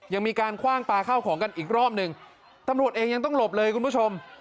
ยังมีการคว่างปลาข้าวของกันอีกรอบหนึ่งตำรวจเองยังต้องหลบเลยคุณผู้ชม